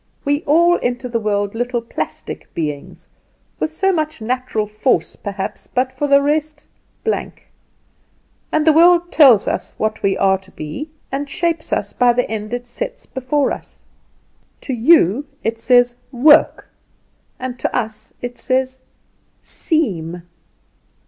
We all enter the world little plastic beings, with so much natural force, perhaps, but for the rest blank; and the world tells us what we are to be, and shapes us by the ends it sets before us. To you it says "Work;" and to us it says "Seem!"